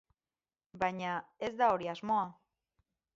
Baina, ez da hori asmoa.